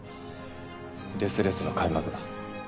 デス・レースの開幕だ。